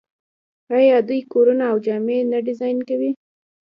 آیا دوی کورونه او جامې نه ډیزاین کوي؟